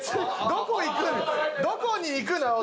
どこに行くのよ？